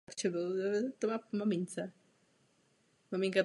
Byl také generálním sekretářem francouzské komise pro archeologické výzkumy.